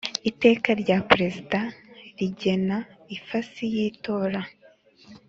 Iteka rya perezida rigena ifasi y itora